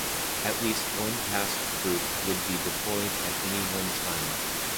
At least one task group would be deployed at any one time.